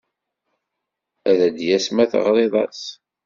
Ad d-yas ma teɣriḍ-as.